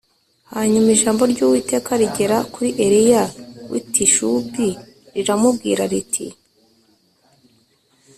Hanyuma ijambo ry’Uwiteka rigera kuri Eliya w’i Tishubi riramubwira riti